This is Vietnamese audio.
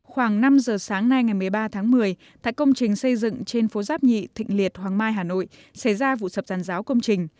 khoảng năm giờ sáng nay ngày một mươi ba tháng một mươi tại công trình xây dựng trên phố giáp nhị thịnh liệt hoàng mai hà nội xảy ra vụ sập giàn giáo công trình